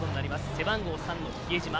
背番号３の比江島。